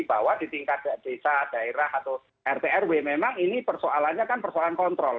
bahwa di tingkat desa daerah atau rt rw memang ini persoalannya kan persoalan kontrol